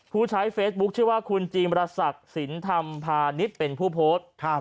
ผู้ใช้เฟซบุ๊คชื่อว่าคุณจีมรศักดิ์สินธรรมพาณิชย์เป็นผู้โพสต์